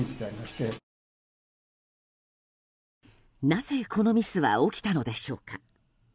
なぜ、このミスは起きたのでしょうか。